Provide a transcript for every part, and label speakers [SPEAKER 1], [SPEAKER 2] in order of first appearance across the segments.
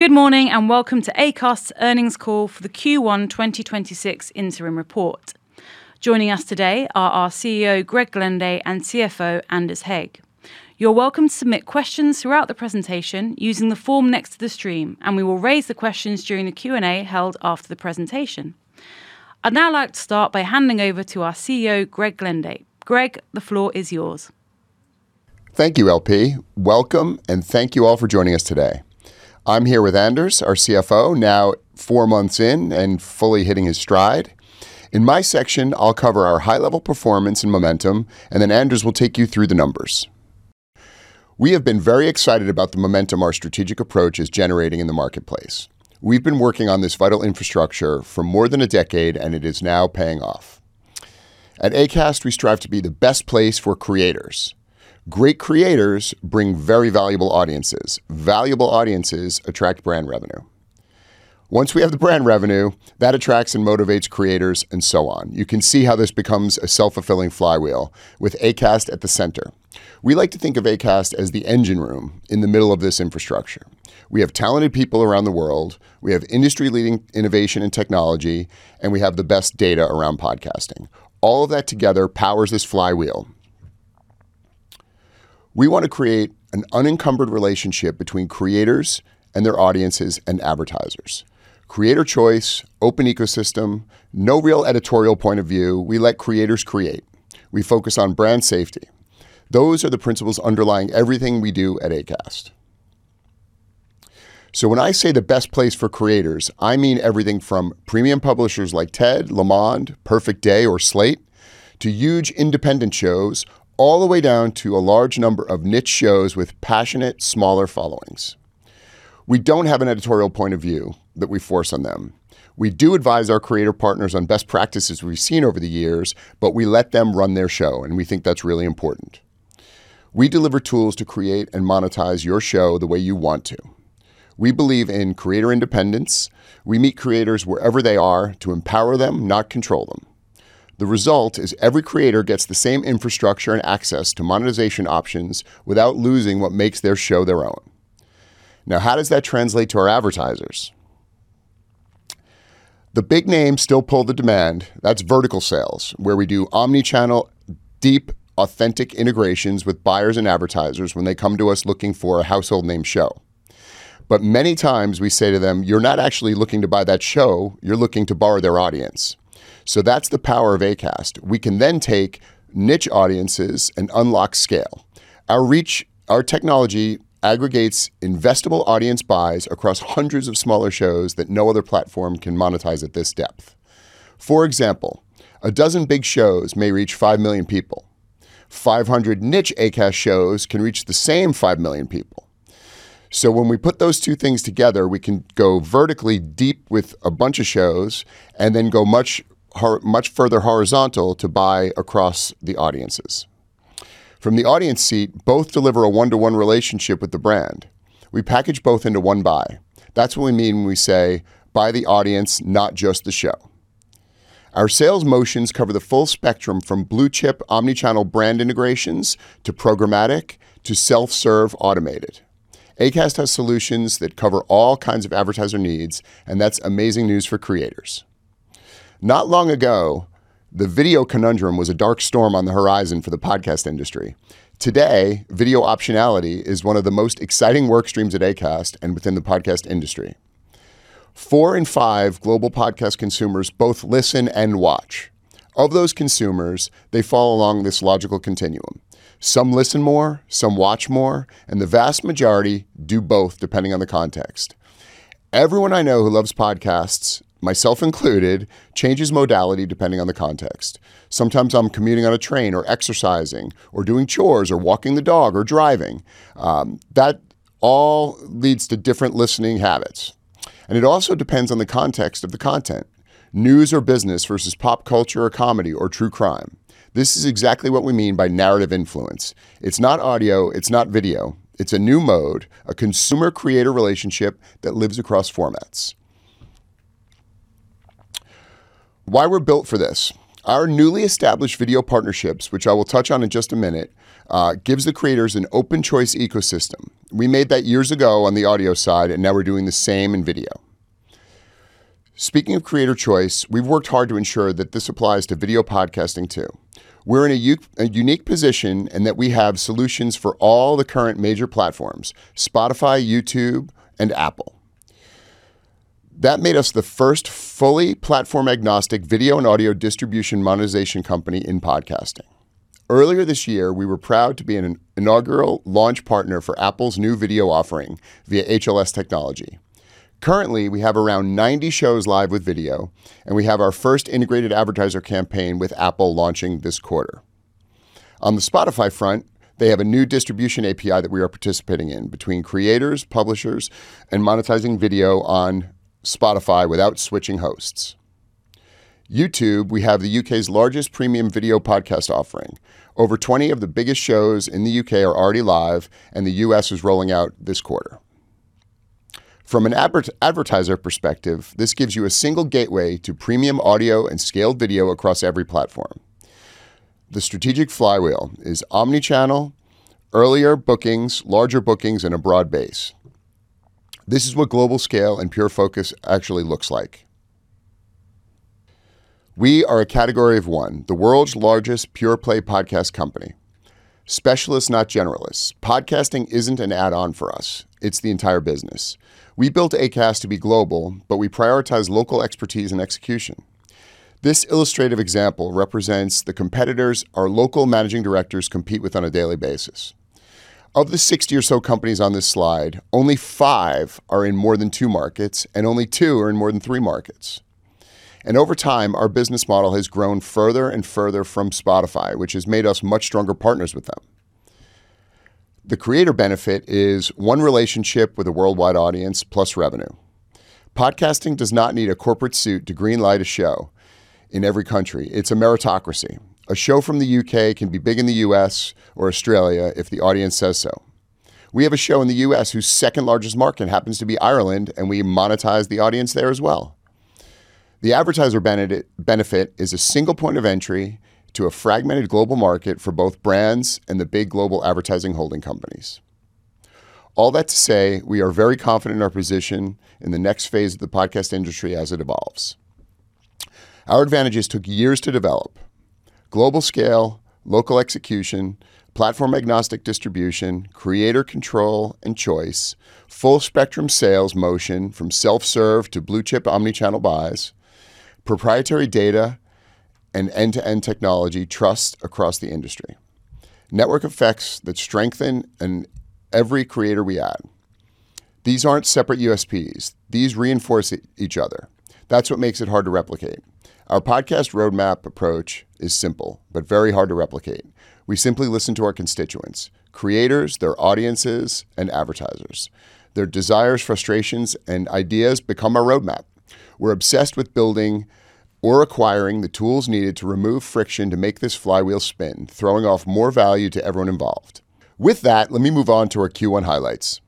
[SPEAKER 1] Good morning. Welcome to Acast's earnings call for the Q1 2026 interim report. Joining us today are our CEO, Greg Glenday, and CFO, Anders Hägg. You're welcome to submit questions throughout the presentation using the form next to the stream, and we will raise the questions during the Q&A held after the presentation. I'd now like to start by handing over to our CEO, Greg Glenday. Greg, the floor is yours.
[SPEAKER 2] Thank you, L.P. Welcome, and thank you all for joining us today. I'm here with Anders, our CFO, now four months in and fully hitting his stride. In my section, I'll cover our high-level performance and momentum, then Anders will take you through the numbers. We have been very excited about the momentum our strategic approach is generating in the marketplace. We've been working on this vital infrastructure for more than one decade, and it is now paying off. At Acast, we strive to be the best place for creators. Great creators bring very valuable audiences. Valuable audiences attract brand revenue. Once we have the brand revenue, that attracts and motivates creators, and so on. You can see how this becomes a self-fulfilling flywheel with Acast at the center. We like to think of Acast as the engine room in the middle of this infrastructure. We have talented people around the world, we have industry-leading innovation and technology, and we have the best data around podcasting. All of that together powers this flywheel. We want to create an unencumbered relationship between creators and their audiences and advertisers. Creator choice, open ecosystem, no real editorial point of view. We let creators create. We focus on brand safety. Those are the principles underlying everything we do at Acast. When I say the best place for creators, I mean everything from premium publishers like TED, Le Monde, Perfect Day, or Slate to huge independent shows, all the way down to a large number of niche shows with passionate, smaller followings. We don't have an editorial point of view that we force on them. We do advise our creator partners on best practices we've seen over the years, but we let them run their show, and we think that's really important. We deliver tools to create and monetize your show the way you want to. We believe in creator independence. We meet creators wherever they are to empower them, not control them. The result is every creator gets the same infrastructure and access to monetization options without losing what makes their show their own. How does that translate to our advertisers? The big names still pull the demand. That's vertical sales, where we do omni-channel, deep, authentic integrations with buyers and advertisers when they come to us looking for a household name show. Many times we say to them, "You're not actually looking to buy that show, you're looking to borrow their audience." That's the power of Acast. We can take niche audiences and unlock scale. Our technology aggregates investable audience buys across hundreds of smaller shows that no other platform can monetize at this depth. For example, a dozen big shows may reach 5 million people. 500 niche Acast shows can reach the same 5 million people. When we put those two things together, we can go vertically deep with a bunch of shows and then go much further horizontal to buy across the audiences. From the audience seat, both deliver a one-to-one relationship with the brand. We package both into one buy. That's what we mean when we say buy the audience, not just the show. Our sales motions cover the full spectrum from blue-chip omni-channel brand integrations to programmatic, to self-serve automated. Acast has solutions that cover all kinds of advertiser needs, that's amazing news for creators. Not long ago, the video conundrum was a dark storm on the horizon for the podcast industry. Today, video optionality is one of the most exciting work streams at Acast and within the podcast industry. Four in five global podcast consumers both listen and watch. Of those consumers, they fall along this logical continuum. Some listen more, some watch more, and the vast majority do both, depending on the context. Everyone I know who loves podcasts, myself included, changes modality depending on the context. Sometimes I'm commuting on a train or exercising or doing chores or walking the dog or driving. That all leads to different listening habits, and it also depends on the context of the content, news or business versus pop culture or comedy or true crime. This is exactly what we mean by narrative influence. It's not audio, it's not video. It's a new mode, a consumer-creator relationship that lives across formats. Why we're built for this. Our newly established video partnerships, which I will touch on in just a minute, gives the creators an open choice ecosystem. We made that years ago on the audio side, and now we're doing the same in video. Speaking of creator choice, we've worked hard to ensure that this applies to video podcasting too. We're in a unique position in that we have solutions for all the current major platforms, Spotify, YouTube, and Apple. That made us the first fully platform-agnostic video and audio distribution monetization company in podcasting. Earlier this year, we were proud to be an inaugural launch partner for Apple's new video offering via HLS technology. Currently, we have around 90 shows live with video, and we have our first integrated advertiser campaign with Apple launching this quarter. On the Spotify front, they have a new Distribution API that we are participating in between creators, publishers, and monetizing video on Spotify without switching hosts. YouTube, we have the U.K.'s largest premium video podcast offering. Over 20 of the biggest shows in the U.K. are already live, and the U.S. is rolling out this quarter. From an advertiser perspective, this gives you a single gateway to premium audio and scaled video across every platform. The strategic flywheel is omni-channel, earlier bookings, larger bookings, and a broad base. This is what global scale and pure focus actually looks like. We are a category of one, the world's largest pure play podcast company. Specialists, not generalists. Podcasting isn't an add-on for us. It's the entire business. We built Acast to be global, but we prioritize local expertise and execution. This illustrative example represents the competitors our local managing directors compete with on a daily basis. Of the 60 or so companies on this slide, only five are in more than two markets, and only two are in more than three markets. Over time, our business model has grown further and further from Spotify, which has made us much stronger partners with them. The creator benefit is one relationship with a worldwide audience plus revenue. Podcasting does not need a corporate suit to green-light a show in every country. It's a meritocracy. A show from the U.K. can be big in the U.S. or Australia if the audience says so. We have a show in the U.S. whose second-largest market happens to be Ireland, and we monetize the audience there as well. The advertiser benefit is a single point of entry to a fragmented global market for both brands and the big global advertising holding companies. All that to say, we are very confident in our position in the next phase of the podcast industry as it evolves. Our advantages took years to develop. Global scale, local execution, platform-agnostic distribution, creator control and choice, full-spectrum sales motion from self-serve to blue-chip omni-channel buys, proprietary data and end-to-end technology, trust across the industry. Network effects that strengthen in every creator we add. These aren't separate USPs. These reinforce each other. That's what makes it hard to replicate. Our podcast roadmap approach is simple but very hard to replicate. We simply listen to our constituents, creators, their audiences, and advertisers. Their desires, frustrations, and ideas become our roadmap. We're obsessed with building or acquiring the tools needed to remove friction to make this flywheel spin, throwing off more value to everyone involved. With that, let me move on to our Q1 highlights.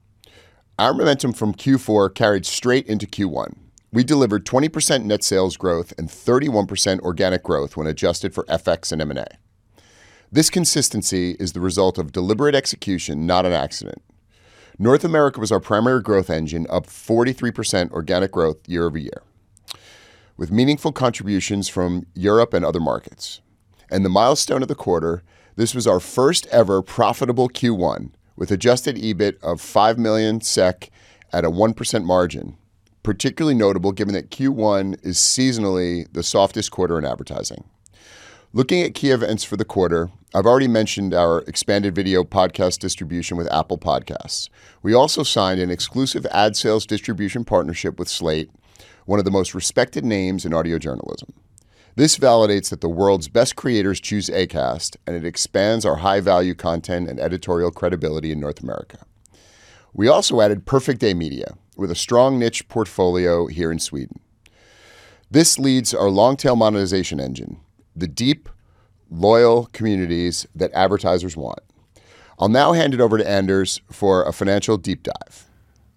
[SPEAKER 2] Our momentum from Q4 carried straight into Q1. We delivered 20% net sales growth and 31% organic growth when adjusted for FX and M&A. This consistency is the result of deliberate execution, not an accident. North America was our primary growth engine, up 43% organic growth year-over-year, with meaningful contributions from Europe and other markets. The milestone of the quarter, this was our first ever profitable Q1 with adjusted EBIT of 5 million SEK at a 1% margin, particularly notable given that Q1 is seasonally the softest quarter in advertising. Looking at key events for the quarter, I've already mentioned our expanded video podcast distribution with Apple Podcasts. We also signed an exclusive ad sales distribution partnership with Slate, one of the most respected names in audio journalism. This validates that the world's best creators choose Acast, and it expands our high-value content and editorial credibility in North America. We also added Perfect Day Media with a strong niche portfolio here in Sweden. This leads our long-tail monetization engine, the deep, loyal communities that advertisers want. I'll now hand it over to Anders for a financial deep dive.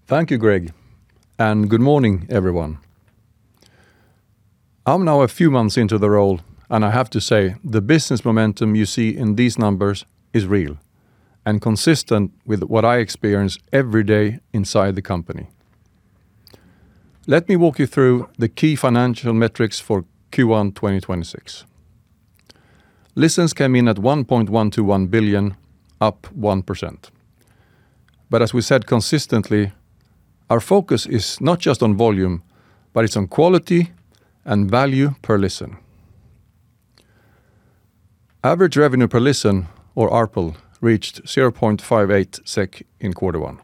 [SPEAKER 3] Thank you, Greg, and good morning, everyone. I'm now a few months into the role, and I have to say, the business momentum you see in these numbers is real and consistent with what I experience every day inside the company. Let me walk you through the key financial metrics for Q1 2026. Listens came in at 1.121 billion, up 1%. As we said consistently, our focus is not just on volume, but it's on quality and value per listen. Average revenue per listen, or ARPL, reached 0.58 SEK in quarter one,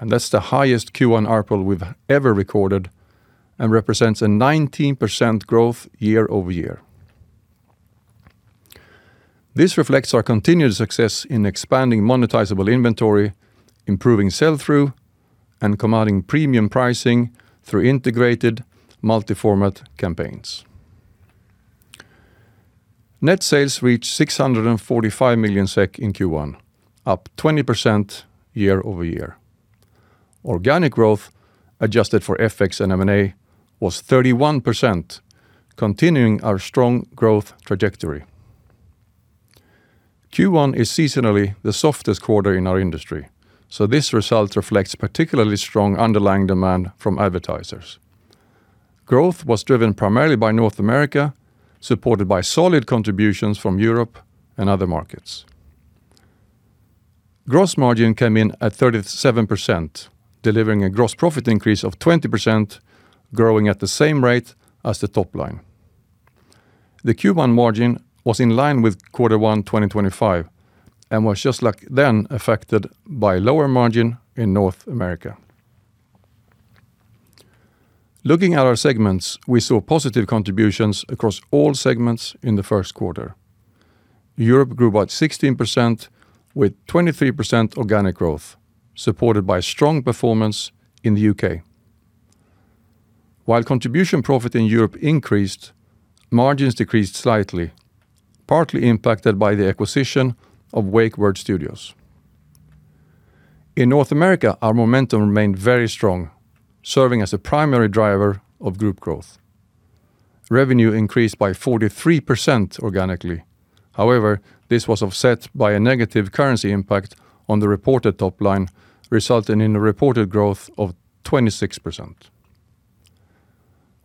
[SPEAKER 3] and that's the highest Q1 ARPL we've ever recorded and represents a 19% growth year-over-year. This reflects our continued success in expanding monetizable inventory, improving sell-through, and commanding premium pricing through integrated multi-format campaigns. Net sales reached 645 million SEK in Q1, up 20% year-over-year. Organic growth, adjusted for FX and M&A, was 31%, continuing our strong growth trajectory. Q1 is seasonally the softest quarter in our industry, so this result reflects particularly strong underlying demand from advertisers. Growth was driven primarily by North America, supported by solid contributions from Europe and other markets. Gross margin came in at 37%, delivering a gross profit increase of 20%, growing at the same rate as the top line. The Q1 margin was in line with Q1 2025 and was just like then affected by lower margin in North America. Looking at our segments, we saw positive contributions across all segments in the first quarter. Europe grew about 16% with 23% organic growth, supported by strong performance in the U.K. While contribution profit in Europe increased, margins decreased slightly, partly impacted by the acquisition of Wake Word Studios. In North America, our momentum remained very strong, serving as a primary driver of group growth. Revenue increased by 43% organically. However, this was offset by a negative currency impact on the reported top line, resulting in a reported growth of 26%.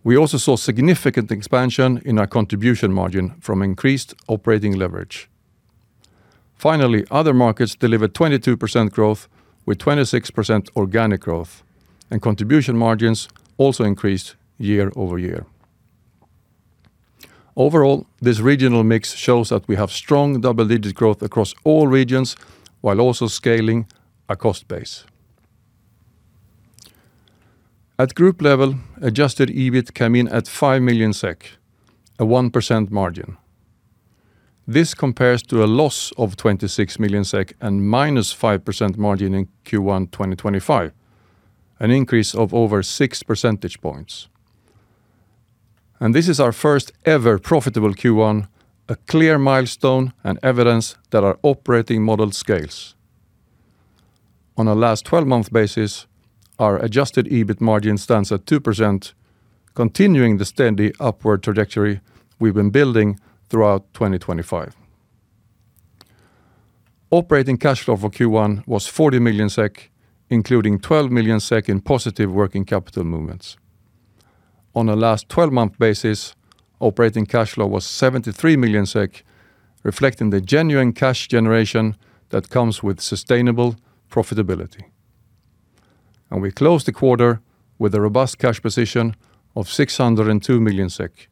[SPEAKER 3] We also saw significant expansion in our contribution margin from increased operating leverage. Finally, other markets delivered 22% growth, with 26% organic growth, and contribution margins also increased year-over-year. Overall, this regional mix shows that we have strong double-digit growth across all regions, while also scaling our cost base. At group level, adjusted EBIT came in at 5 million SEK, a 1% margin. This compares to a loss of 26 million SEK and -5% margin in Q1 2025, an increase of over 6 percentage points. This is our first-ever profitable Q1, a clear milestone and evidence that our operating model scales. On a last 12-month basis, our adjusted EBIT margin stands at 2%, continuing the steady upward trajectory we've been building throughout 2025. Operating cash flow for Q1 was 40 million SEK, including 12 million SEK in positive working capital movements. On a last 12-month basis, operating cash flow was 73 million SEK, reflecting the genuine cash generation that comes with sustainable profitability. We closed the quarter with a robust cash position of 602 million SEK,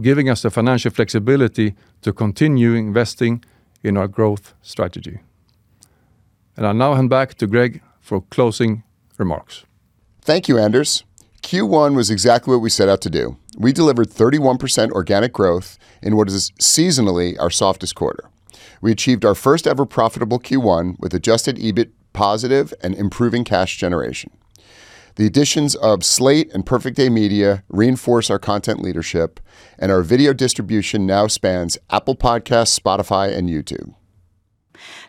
[SPEAKER 3] giving us the financial flexibility to continue investing in our growth strategy. I'll now hand back to Greg for closing remarks.
[SPEAKER 2] Thank you, Anders. Q1 was exactly what we set out to do. We delivered 31% organic growth in what is seasonally our softest quarter. We achieved our first-ever profitable Q1 with adjusted EBIT positive and improving cash generation. The additions of Slate and Perfect Day Media reinforce our content leadership, and our video distribution now spans Apple Podcasts, Spotify, and YouTube.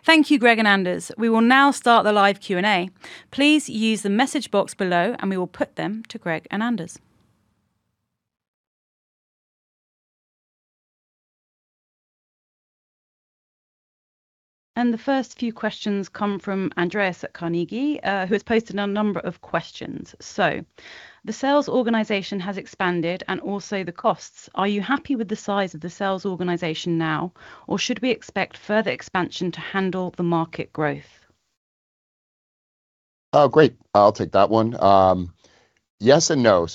[SPEAKER 1] Thank you, Greg and Anders. We will now start the live Q&A. Please use the message box below, and we will put them to Greg and Anders. The first few questions come from Andreas at Carnegie, who has posted a number of questions. The sales organization has expanded and also the costs. Are you happy with the size of the sales organization now, or should we expect further expansion to handle the market growth?
[SPEAKER 2] Oh, great. I'll take that one. Yes and no.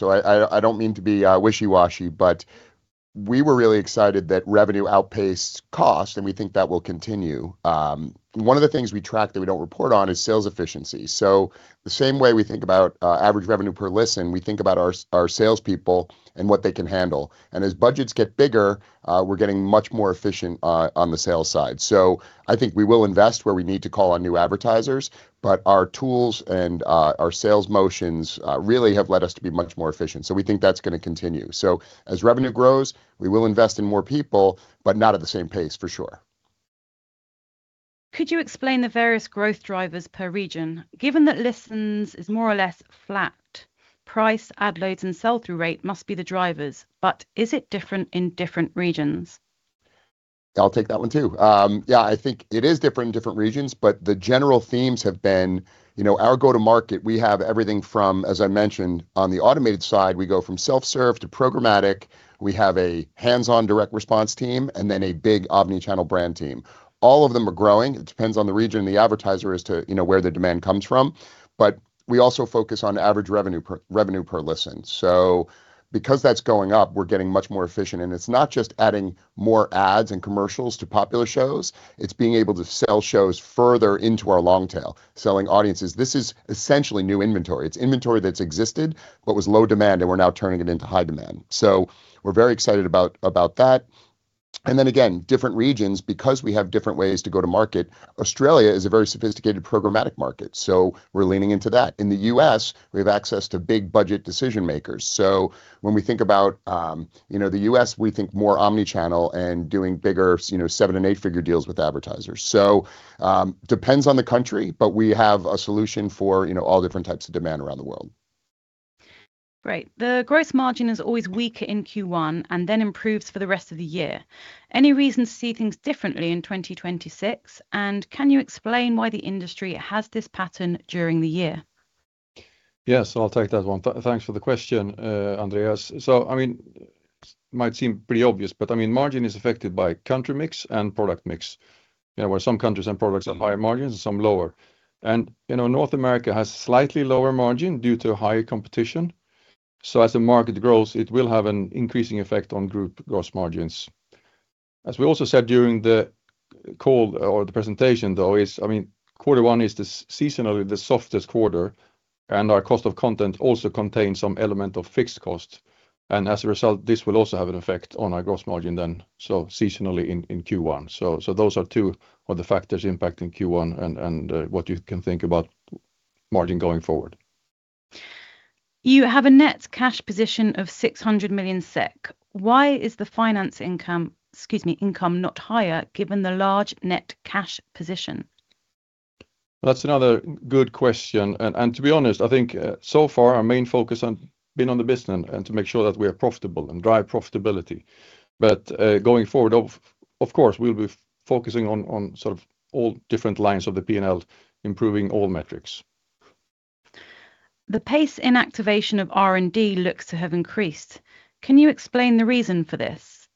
[SPEAKER 2] I don't mean to be wishy-washy, but we were really excited that revenue outpaced cost, and we think that will continue. One of the things we track that we don't report on is sales efficiency. The same way we think about average revenue per listen, we think about our salespeople and what they can handle. As budgets get bigger, we're getting much more efficient on the sales side. I think we will invest where we need to call on new advertisers, but our tools and our sales motions really have led us to be much more efficient. We think that's gonna continue. As revenue grows, we will invest in more people, but not at the same pace, for sure.
[SPEAKER 1] Could you explain the various growth drivers per region? Given that listens is more or less flat, price, ad loads, and sell-through rate must be the drivers. Is it different in different regions?
[SPEAKER 2] I'll take that one, too. Yeah, I think it is different in different regions, but the general themes have been, you know, our go-to-market, we have everything from, as I mentioned, on the automated side, we go from self-serve to programmatic. We have a hands-on direct response team and then a big omni-channel brand team. All of them are growing. It depends on the region the advertiser is to, you know, where the demand comes from. We also focus on average revenue per listen. Because that's going up, we're getting much more efficient, and it's not just adding more ads and commercials to popular shows, it's being able to sell shows further into our long tail, selling audiences. This is essentially new inventory. It's inventory that's existed but was low demand, and we're now turning it into high demand. We're very excited about that. Then again, different regions, because we have different ways to go to market. Australia is a very sophisticated programmatic market, we're leaning into that. In the U.S., we have access to big budget decision-makers. When we think about, you know, the U.S., we think more omni-channel and doing bigger, you know, seven and eight-figure deals with advertisers. Depends on the country, but we have a solution for, you know, all different types of demand around the world.
[SPEAKER 1] Great. The gross margin is always weaker in Q1 and then improves for the rest of the year. Any reason to see things differently in 2026, and can you explain why the industry has this pattern during the year?
[SPEAKER 3] Yes, I'll take that one. Thanks for the question, Andreas. I mean, might seem pretty obvious, but I mean, margin is affected by country mix and product mix. You know, where some countries and products are higher margins and some lower. You know, North America has slightly lower margin due to higher competition. As the market grows, it will have an increasing effect on group gross margins. As we also said during the call or the presentation, though, is, I mean, quarter one is seasonally the softest quarter, and our cost of content also contains some element of fixed cost. As a result, this will also have an effect on our gross margin then, so seasonally in Q1. So those are two of the factors impacting Q1 and what you can think about margin going forward.
[SPEAKER 1] You have a net cash position of 600 million SEK. Why is the finance income, excuse me, income not higher given the large net cash position?
[SPEAKER 3] That's another good question. To be honest, I think so far our main focus on been on the business and to make sure that we are profitable and drive profitability. Going forward of course, we'll be focusing on sort of all different lines of the P&L, improving all metrics.
[SPEAKER 1] The pace in activation of R&D looks to have increased. Can you explain the reason for this?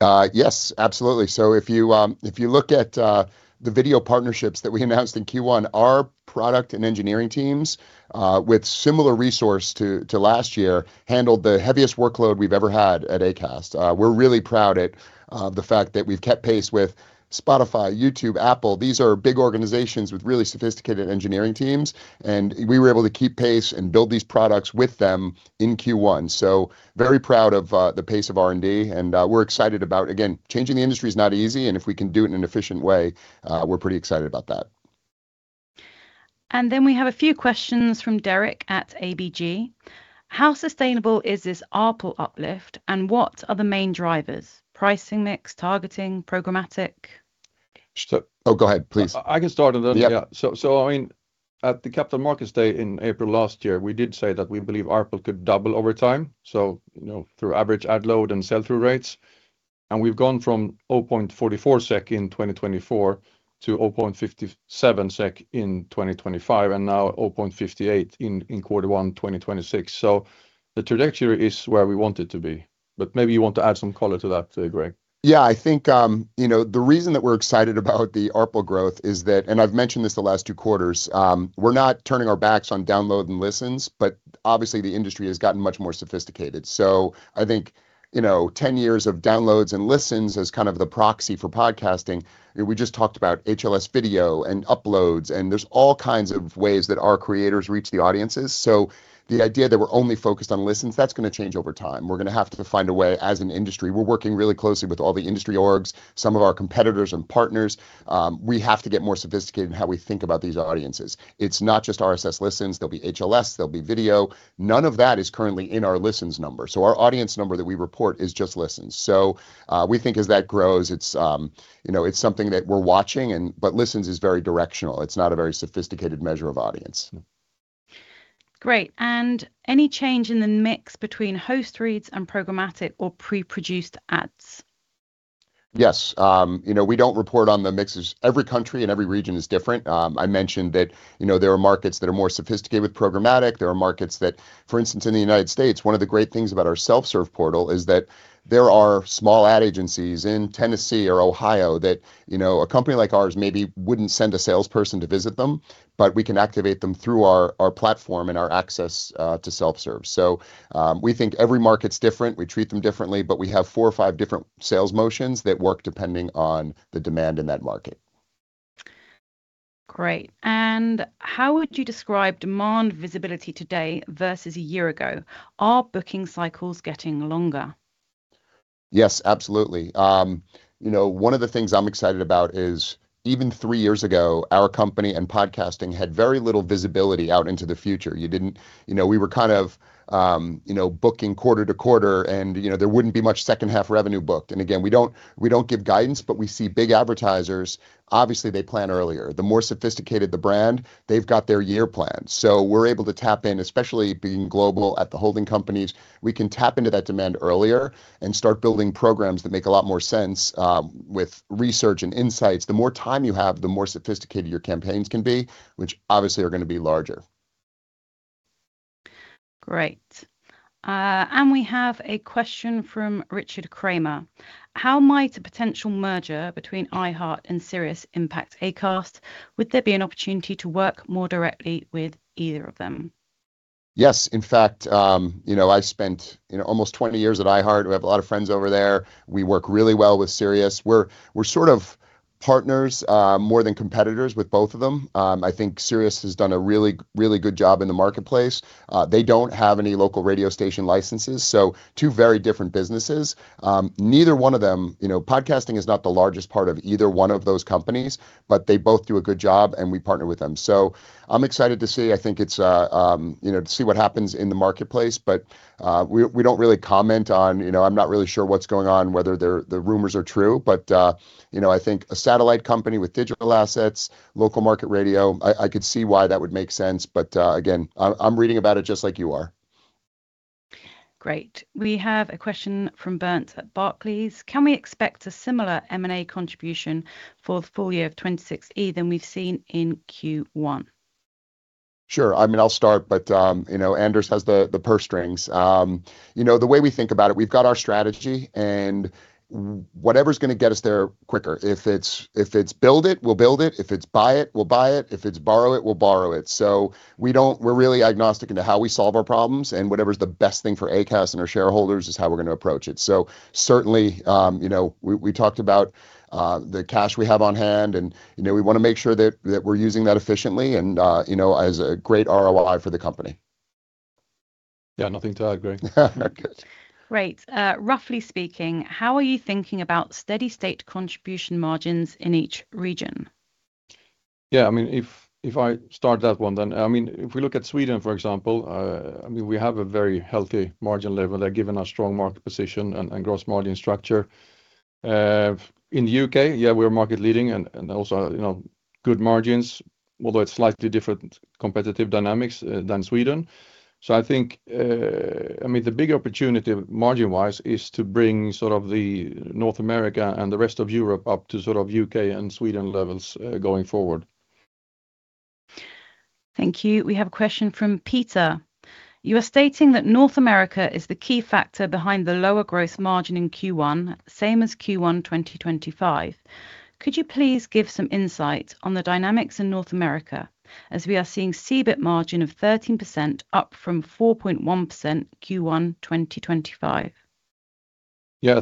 [SPEAKER 2] Yes, absolutely. If you look at the video partnerships that we announced in Q1, our product and engineering teams, with similar resource to last year, handled the heaviest workload we've ever had at Acast. We're really proud at the fact that we've kept pace with Spotify, YouTube, Apple. These are big organizations with really sophisticated engineering teams, and we were able to keep pace and build these products with them in Q1. Very proud of the pace of R&D, and we're excited about. Again, changing the industry is not easy, and if we can do it in an efficient way, we're pretty excited about that.
[SPEAKER 1] We have a few questions from Derek at ABG. How sustainable is this ARPU uplift, and what are the main drivers? Pricing mix, targeting, programmatic?
[SPEAKER 2] Oh, go ahead, please.
[SPEAKER 3] I can start on those.
[SPEAKER 2] Yep.
[SPEAKER 3] I mean, at the Capital Markets Day in April last year, we did say that we believe ARPU could double over time, you know, through average ad load and sell-through rates. We've gone from 0.44 SEK in 2024 to 0.57 SEK in 2025, and now 0.58 in quarter one 2026. The trajectory is where we want it to be. Maybe you want to add some color to that, Greg.
[SPEAKER 2] Yeah, I think, you know, the reason that we're excited about the ARPU growth is that, and I've mentioned this the last two quarters, we're not turning our backs on download and listens, but obviously the industry has gotten much more sophisticated. I think, you know, 10 years of downloads and listens as kind of the proxy for podcasting, we just talked about HLS video and uploads, and there's all kinds of ways that our creators reach the audiences. The idea that we're only focused on listens, that's gonna change over time. We're gonna have to find a way as an industry. We're working really closely with all the industry orgs, some of our competitors and partners. We have to get more sophisticated in how we think about these audiences. It's not just RSS listens. There'll be HLS, there'll be video. None of that is currently in our listens number. Our audience number that we report is just listens. We think as that grows, it's, you know, it's something that we're watching and, but listens is very directional. It's not a very sophisticated measure of audience.
[SPEAKER 1] Great. Any change in the mix between host reads and programmatic or pre-produced ads?
[SPEAKER 2] Yes. You know, we don't report on the mixes. Every country and every region is different. I mentioned that, you know, there are markets that are more sophisticated with programmatic. For instance, in the United States, one of the great things about our self-serve portal is that there are small ad agencies in Tennessee or Ohio that, you know, a company like ours maybe wouldn't send a salesperson to visit them, but we can activate them through our platform and our access to self-serve. We think every market's different. We treat them differently, but we have four or five different sales motions that work depending on the demand in that market.
[SPEAKER 1] Great. How would you describe demand visibility today versus a year ago? Are booking cycles getting longer?
[SPEAKER 2] Yes, absolutely. You know, one of the things I'm excited about is even three years ago, our company and podcasting had very little visibility out into the future. You didn't know, we were kind of, you know, booking quarter to quarter and, you know, there wouldn't be much second half revenue booked. Again, we don't give guidance, but we see big advertisers, obviously they plan earlier. The more sophisticated the brand, they've got their year planned. We're able to tap in, especially being global at the holding companies, we can tap into that demand earlier and start building programs that make a lot more sense with research and insights. The more time you have, the more sophisticated your campaigns can be, which obviously are gonna be larger.
[SPEAKER 1] Great. We have a question from Richard Kramer. How might a potential merger between iHeartMedia and SiriusXM impact Acast? Would there be an opportunity to work more directly with either of them?
[SPEAKER 2] Yes. In fact, you know, I've spent, you know, almost 20 years at iHeartMedia. We have a lot of friends over there. We work really well with SiriusXM. We're sort of partners, more than competitors with both of them. I think SiriusXM has done a really good job in the marketplace. They don't have any local radio station licenses, so two very different businesses. Neither one of them, you know, podcasting is not the largest part of either one of those companies, but they both do a good job, and we partner with them. I'm excited to see. I think it's, you know, to see what happens in the marketplace. We don't really comment on, you know, I'm not really sure what's going on, whether the rumors are true. You know, I think a satellite company with digital assets, local market radio, I could see why that would make sense. Again, I'm reading about it just like you are.
[SPEAKER 1] Great. We have a question from Bernd at Barclays. Can we expect a similar M&A contribution for the full year of 2026 E than we've seen in Q1?
[SPEAKER 2] Sure. I mean, I'll start, you know, Anders Hägg has the purse strings. You know, the way we think about it, we've got our strategy, whatever's going to get us there quicker, if it's build it, we'll build it. If it's buy it, we'll buy it. If it's borrow it, we'll borrow it. We're really agnostic into how we solve our problems, whatever's the best thing for Acast and our shareholders is how we're going to approach it. Certainly, you know, we talked about the cash we have on hand, you know, we want to make sure that we're using that efficiently, and, you know, as a great ROI for the company.
[SPEAKER 3] Yeah, nothing to add, Greg.
[SPEAKER 2] Good.
[SPEAKER 1] Great. roughly speaking, how are you thinking about steady state contribution margins in each region?
[SPEAKER 3] Yeah, I mean, if I start that one then, I mean, we look at Sweden, for example, I mean, we have a very healthy margin level there, given our strong market position and gross margin structure. In the U.K., yeah, we're market leading and also, you know, good margins, although it's slightly different competitive dynamics than Sweden. I think, I mean, the big opportunity margin-wise is to bring sort of the North America and the rest of Europe up to sort of U.K. and Sweden levels going forward.
[SPEAKER 1] Thank you. We have a question from Peter. You are stating that North America is the key factor behind the lower growth margin in Q1, same as Q1 2025. Could you please give some insight on the dynamics in North America, as we are seeing EBIT margin of 13% up from 4.1% Q1 2025?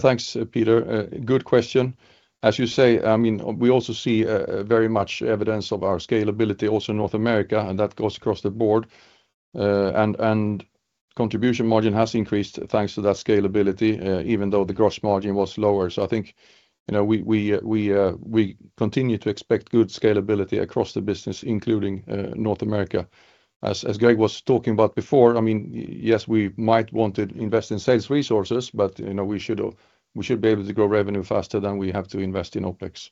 [SPEAKER 3] Thanks, Peter. Good question. As you say, I mean, we also see very much evidence of our scalability also in North America, and that goes across the board. Contribution margin has increased thanks to that scalability, even though the gross margin was lower. I think, you know, we continue to expect good scalability across the business, including North America. As Greg was talking about before, I mean, yes, we might want to invest in sales resources, but, you know, we should be able to grow revenue faster than we have to invest in OpEx.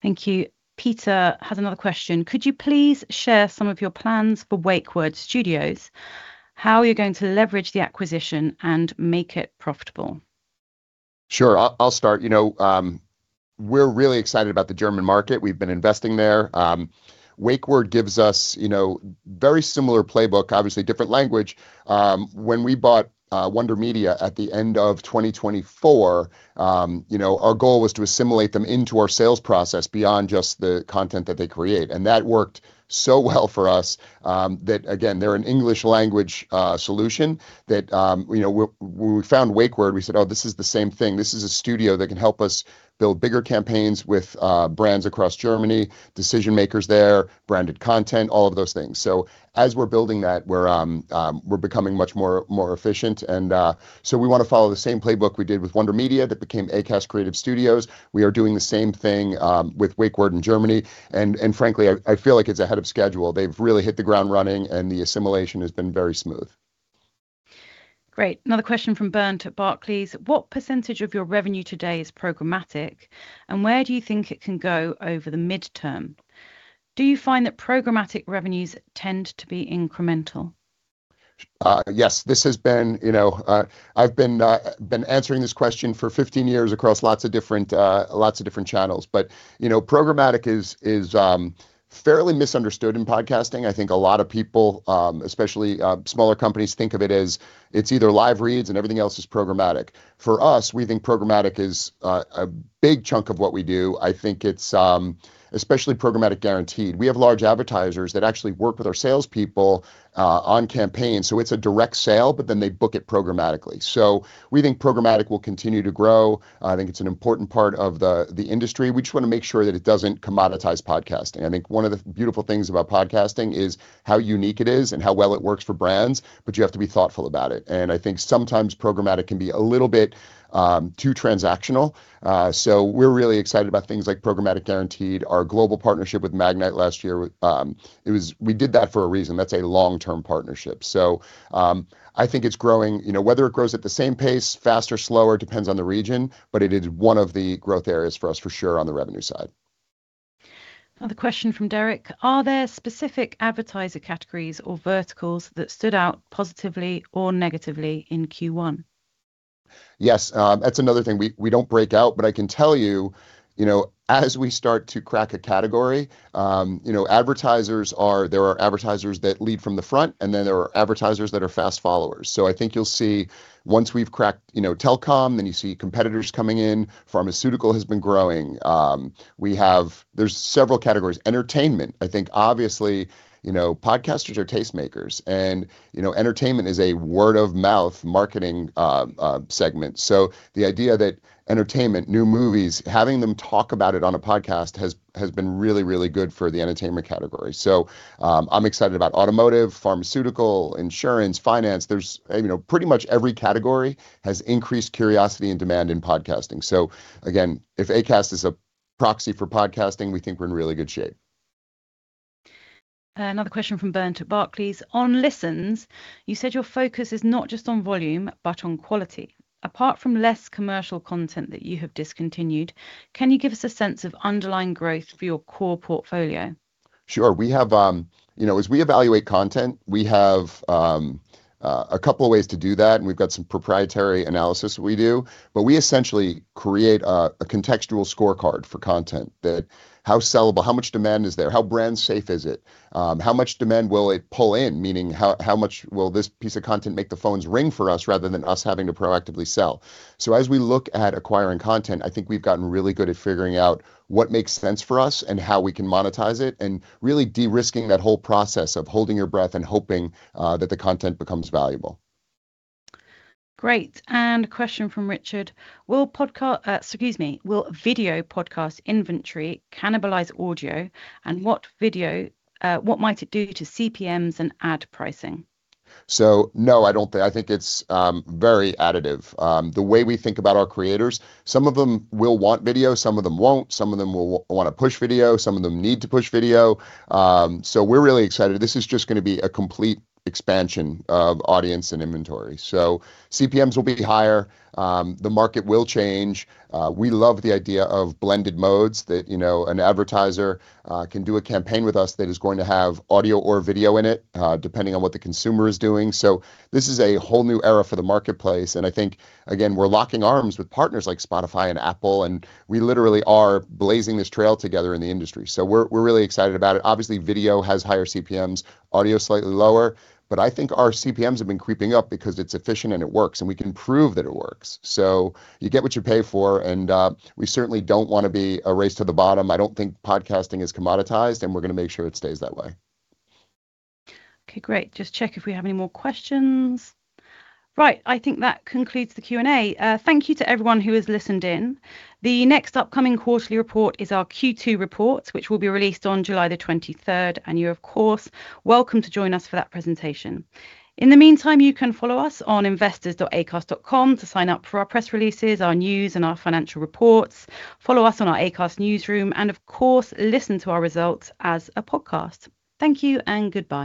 [SPEAKER 1] Thank you. Peter has another question. Could you please share some of your plans for Wake Word Studios? How are you going to leverage the acquisition and make it profitable?
[SPEAKER 2] Sure. I'll start. You know, we're really excited about the German market. We've been investing there. Wake Word gives us, you know, very similar playbook, obviously different language. When we bought Wonder Media Network at the end of 2024, you know, our goal was to assimilate them into our sales process beyond just the content that they create, and that worked so well for us, that again, they're an English language solution that, you know, we found Wake Word, we said, "Oh, this is the same thing." This is a studio that can help us build bigger campaigns with brands across Germany, decision-makers there, branded content, all of those things. As we're building that, we're becoming much more efficient. We wanna follow the same playbook we did with Wonder Media that became Acast Creative Studios. We are doing the same thing with Wake Word in Germany, and frankly, I feel like it's ahead of schedule. They've really hit the ground running, and the assimilation has been very smooth.
[SPEAKER 1] Great. Another question from Bernd at Barclays. What % of your revenue today is programmatic, and where do you think it can go over the midterm? Do you find that programmatic revenues tend to be incremental?
[SPEAKER 2] This has been, you know, I've been answering this question for 15 years across lots of different, lots of different channels. You know, programmatic is fairly misunderstood in podcasting. I think a lot of people, especially smaller companies, think of it as it's either live reads and everything else is programmatic. We think programmatic is a big chunk of what we do. I think it's especially programmatic guaranteed. We have large advertisers that actually work with our salespeople on campaigns, it's a direct sale, they book it programmatically. We think programmatic will continue to grow. I think it's an important part of the industry. We just wanna make sure that it doesn't commoditize podcasting. I think one of the beautiful things about podcasting is how unique it is and how well it works for brands, but you have to be thoughtful about it, and I think sometimes programmatic can be a little bit too transactional. We're really excited about things like programmatic guaranteed. Our global partnership with Magnite last year. We did that for a reason. That's a long-term partnership. I think it's growing. You know, whether it grows at the same pace, faster, slower, depends on the region, but it is one of the growth areas for us for sure on the revenue side.
[SPEAKER 1] Another question from Derek. Are there specific advertiser categories or verticals that stood out positively or negatively in Q1?
[SPEAKER 2] Yes. That's another thing. We don't break out, but I can tell you know, as we start to crack a category, you know, there are advertisers that lead from the front, and then there are advertisers that are fast followers. I think you'll see once we've cracked, you know, telecom, then you see competitors coming in. Pharmaceutical has been growing. There's several categories. Entertainment, I think obviously, you know, podcasters are tastemakers, and, you know, entertainment is a word-of-mouth marketing segment. The idea that entertainment, new movies, having them talk about it on a podcast has been really, really good for the entertainment category. I'm excited about automotive, Pharmaceutical, insurance, finance. There's, you know, pretty much every category has increased curiosity and demand in podcasting. Again, if Acast is a proxy for podcasting, we think we're in really good shape.
[SPEAKER 1] Another question from Bernd at Barclays. On listens, you said your focus is not just on volume, but on quality. Apart from less commercial content that you have discontinued, can you give us a sense of underlying growth for your core portfolio?
[SPEAKER 2] Sure. We have, you know, as we evaluate content, we have a couple of ways to do that, and we've got some proprietary analysis that we do. We essentially create a contextual scorecard for content that, how sellable, how much demand is there? How brand safe is it? How much demand will it pull in? Meaning, how much will this piece of content make the phones ring for us, rather than us having to proactively sell? As we look at acquiring content, I think we've gotten really good at figuring out what makes sense for us and how we can monetize it, and really de-risking that whole process of holding your breath and hoping that the content becomes valuable.
[SPEAKER 1] Great, a question from Richard. Will video podcast inventory cannibalize audio, and what might it do to CPMs and ad pricing?
[SPEAKER 2] No, I don't think I think it's very additive. The way we think about our creators, some of them will want video, some of them won't. Some of them will wanna push video, some of them need to push video. We're really excited. This is just gonna be a complete expansion of audience and inventory. CPMs will be higher. The market will change. We love the idea of blended modes that, you know, an advertiser can do a campaign with us that is going to have audio or video in it, depending on what the consumer is doing. This is a whole new era for the marketplace, and I think, again, we're locking arms with partners like Spotify and Apple, and we literally are blazing this trail together in the industry, we're really excited about it. Video has higher CPMs, audio is slightly lower. I think our CPMs have been creeping up because it's efficient and it works, and we can prove that it works. You get what you pay for, and we certainly don't wanna be a race to the bottom. I don't think podcasting is commoditized, and we're gonna make sure it stays that way.
[SPEAKER 1] Okay, great. Just check if we have any more questions. Right, I think that concludes the Q&A. Thank you to everyone who has listened in. The next upcoming quarterly report is our Q2 report, which will be released on July 23rd, and you're, of course, welcome to join us for that presentation. In the meantime, you can follow us on investors.acast.com to sign up for our press releases, our news, and our financial reports. Follow us on our Acast newsroom, of course, listen to our results as a podcast. Thank you and goodbye.